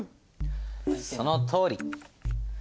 そのとおり。